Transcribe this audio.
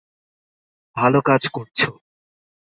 ভালো কাজ করছো।